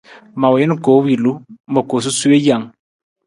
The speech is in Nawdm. Ma wiin koowilu, ma koo sasuwe jang.